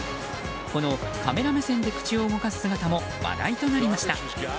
このカメラ目線で口を動かす姿も話題となりました。